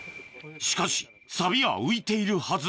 しかし錆は浮いているはず